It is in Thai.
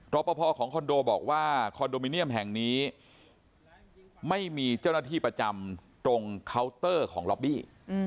ปภของคอนโดบอกว่าคอนโดมิเนียมแห่งนี้ไม่มีเจ้าหน้าที่ประจำตรงเคาน์เตอร์ของล็อบบี้